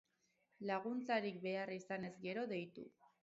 Laguntzarik behar izanez gero, deitu.